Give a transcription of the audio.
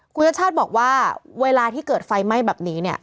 คุณชาติชาติบอกว่าเวลาที่เกิดไฟไหม้แบบนี้เนี่ย